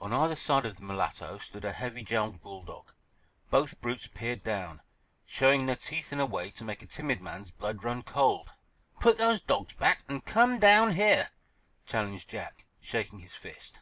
On either side of the mulatto stood a heavy jowled bull dog. Both brutes peered down, showing their teeth in a way to make a timid man's blood run cold. "Put those dogs back and come down here," challenged Jack, shaking his fist.